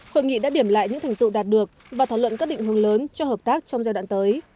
hội nghị đã điểm lại những thành tựu đạt được và thảo luận các định hướng lớn cho hợp tác trong giai đoạn tới